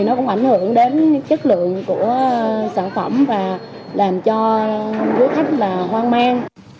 nó cũng ảnh hưởng đến chất lượng của sản phẩm và làm cho du khách là hoang mang